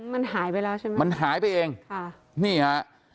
มันหายไปแล้วใช่ไหมมันหายไปเองค่ะนี่ฮะ